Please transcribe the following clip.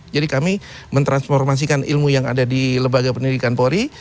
jadi kami mentransformasikan ilmu yang ada di lembaga pendidikan polri